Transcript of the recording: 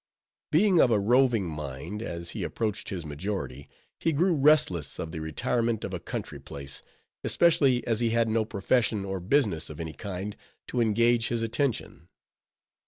Being of a roving mind, as he approached his majority he grew restless of the retirement of a country place; especially as he had no profession or business of any kind to engage his attention.